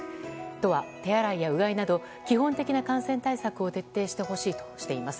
都は手洗いやうがいなど基本的な感染対策を徹底してほしいとしています。